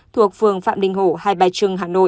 thuộc phường phạm đình hổ hai bà trưng hà nội